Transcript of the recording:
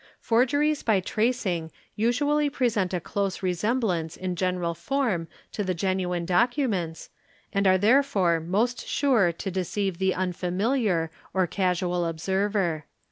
| Forgeries by tracing usually present a close resemblance in general form to the genuine documents, and are therefore most sure to deceive — the unfamiliar or casual observer.